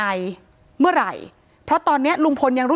ถ้าใครอยากรู้ว่าลุงพลมีโปรแกรมทำอะไรที่ไหนยังไง